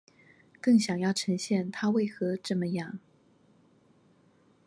更想要呈現他為何這麼樣